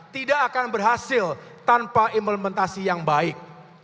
tidak akan berhasil tanpa implementasi yang baik